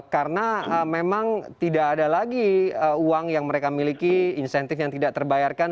karena memang tidak ada lagi uang yang mereka miliki insentif yang tidak terbayarkan